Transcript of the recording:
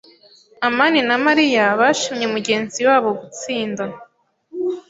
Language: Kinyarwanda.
amani na Mariya bashimye mugenzi wabo gutsinda.